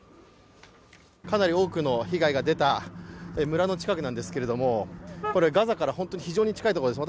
かなり多くの被害が出た村の近くなんですけれどもガザから本当に非常に近いところなんです。